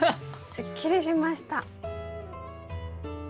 すっきりしました。